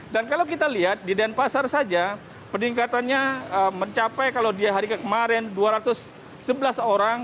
dan kalau kita lihat di denpasar saja peningkatannya mencapai kalau di hari kemarin dua ratus sebelas orang